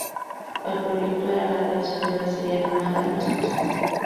El proyecto era la creación de la serie animada "Los Simpson".